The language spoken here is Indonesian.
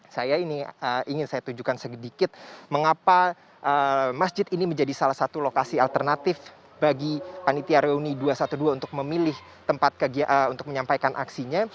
saya ini ingin saya tunjukkan sedikit mengapa masjid ini menjadi salah satu lokasi alternatif bagi panitia reuni dua ratus dua belas untuk memilih tempat untuk menyampaikan aksinya